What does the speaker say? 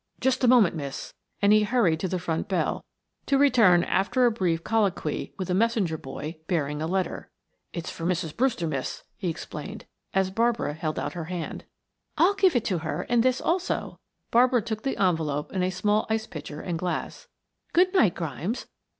"Just a moment, miss," and he hurried to the front bell, to return after a brief colloquy with a messenger boy, bearing a letter. "It's for Mrs. Brewster, miss," he explained, as Barbara held out her hand. "I'll give it to her and this also," Barbara took the envelope and a small ice pitcher and glass. "Good night, Grimes.